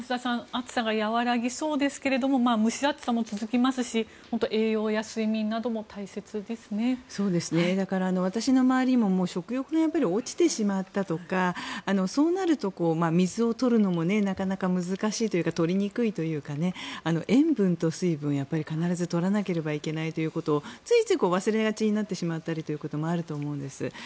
暑さが和らぎそうですが蒸し暑さも続きますし栄養や睡眠などもだから、私の周りにも食欲が落ちてしまったとかそうなると水を取るのもなかなか難しいというか取りにくいというかね塩分と水分は必ず取らなければいけないということをついつい忘れがちになってしまったりということもあると思うんです。